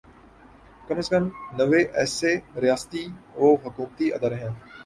کم از کم نوے ایسے ریاستی و حکومتی ادارے ہیں